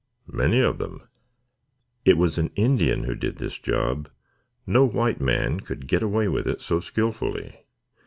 "Many of them." "It was an Indian who did this job. No white man could get away with it so skilfully.